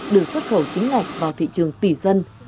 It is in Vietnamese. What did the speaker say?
được xuất khẩu chính ngạch vào thị trường tỷ dân